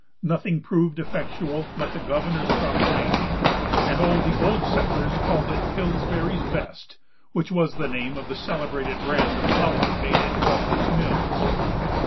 Nothing proved effectual but the governor's proclamation, and all the old settlers called it "Pillsbury's Best," which was the name of the celebrated brand of flour made at the governor's mills.